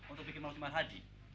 untuk bikin manusia marhardi